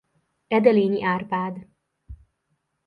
Edelényi Árpád ny.